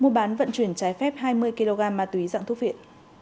mua bán vận chuyển trái phép hai mươi kg ma túy dạng thuốc viện